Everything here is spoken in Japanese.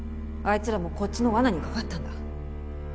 あいつらもこっちの罠にかかったんだ。